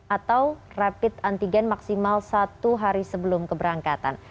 atau rapid antigen maksimal satu hari sebelum keberangkatan